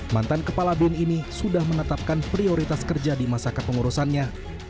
mantan kepala bin ini sudah menetapkan prioritas kerja di masa kepengurusannya